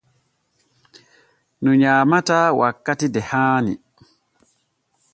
Ŋu nyaamataa wakkati de haani.